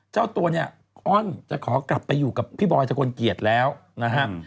เจ้าตัวเนี่ยอ้อนจะขอกลับไปอยู่กับพี่บอยทะกลเกียจแล้วนะฮะ